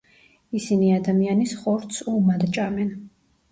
ისინი ადამიანის ხორცს უმად ჭამენ.